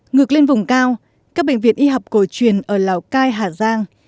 ngược lên vùng cao các bệnh viện y học cổ truyền ở lào cai hà giang